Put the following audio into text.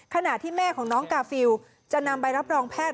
ขณะที่แม่ของน้องกาฟิลจะนำใบรับรองแพทย์